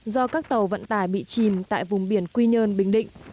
do các tàu vận tải bị chìm tại vùng biển quy nhơn bình định